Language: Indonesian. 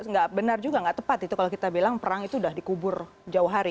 nggak benar juga nggak tepat itu kalau kita bilang perang itu sudah dikubur jauh hari